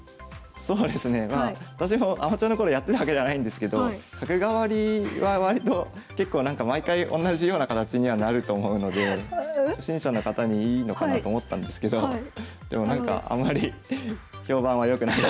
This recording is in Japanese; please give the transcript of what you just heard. そうですねまあ私もアマチュアの頃やってたわけではないんですけど角換わりは割と結構なんか毎回おんなじような形にはなると思うので初心者の方にいいのかなと思ったんですけどでもなんかあまり評判は良くない。